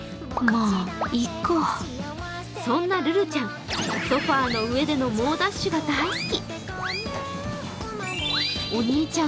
そんなルルちゃん、ソファーの上での猛ダッシュが大好き。